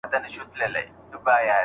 د شاګرد هڅې نه نادیده نیول کېږي.